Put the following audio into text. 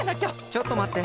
ちょっとまって。